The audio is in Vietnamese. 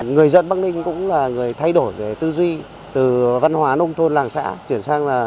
người dân bắc ninh cũng là người thay đổi tư duy từ văn hóa nông thôn làng xã